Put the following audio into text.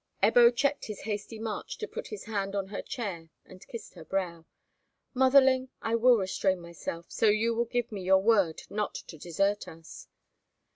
Ebbo checked his hasty march to put his hand on her chair and kiss her brow. "Motherling, I will restrain myself, so you will give me your word not to desert us."